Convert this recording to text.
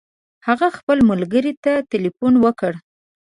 هغه خپل ملګري ته تلیفون وکړ.